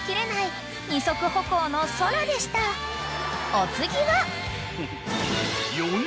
［お次は］